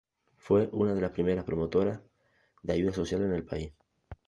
Fue una de las primeras promotoras de ayuda social en el país.